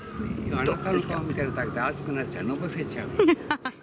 あなたの顔見てるだけで暑くなっちゃう、のぼせちゃう。